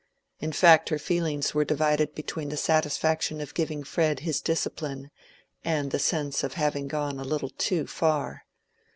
In fact her feelings were divided between the satisfaction of giving Fred his discipline and the sense of having gone a little too far.